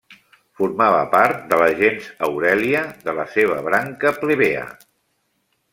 Formava part de la gens Aurèlia, de la seva branca plebea.